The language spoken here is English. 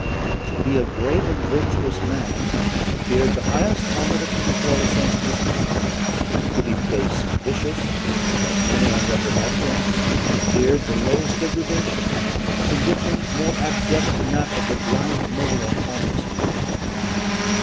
To be a great and virtuous man appeared the highest honour that can befall a sensitive being; to be base and vicious, as many on record have been, appeared the lowest degradation, a condition more abject than that of the blind mole or harmless worm.